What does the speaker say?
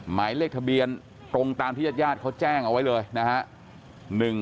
หมายเลขทะเบียนตรงตามที่ญาติญาติเขาแจ้งเอาไว้เลยนะฮะ